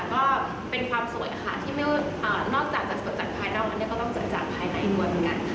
ก็เป็นความสวยค่ะที่มีนอกจากจากภายในก็ต้องจากภายในด้วยเหมือนกันค่ะ